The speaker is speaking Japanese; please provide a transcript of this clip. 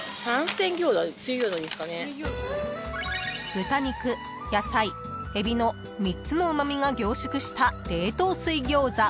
［豚肉野菜エビの３つのうま味が凝縮した冷凍水餃子］